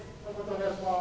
お願いします